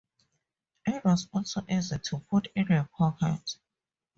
It was also easy to put in your pocket.